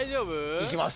行きます。